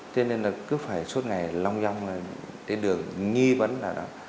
cho nên là cứ phải suốt ngày long dong là đến đường nghi vấn là đó